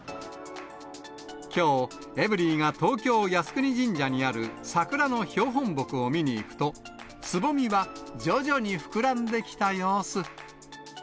きょう、エブリィが東京・靖国神社にある桜の標本木を見に行くと、つぼみは徐々に膨らんできた様子。